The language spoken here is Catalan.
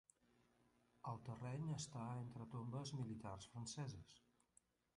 El terreny està entre tombes militars franceses.